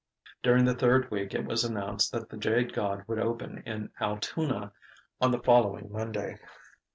During the third week it was announced that "The Jade God" would open in Altoona on the following Monday.